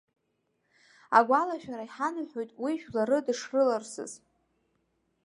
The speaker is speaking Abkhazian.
Агәалашәара иҳанаҳәоит уи жәлары дышрыларсыз.